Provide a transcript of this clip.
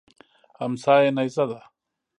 امسا یې نیزه ده.